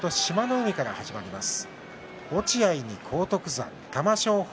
海から始まります。